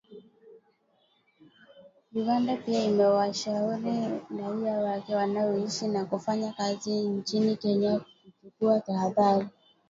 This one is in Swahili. Uganda pia imewashauri raia wake wanaoishi na kufanya kazi nchini Kenya kuchukua tahadhari